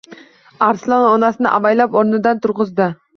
Arslon onasini avaylab o‘rnidan turg‘azdi